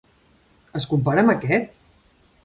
Es compara amb aquest?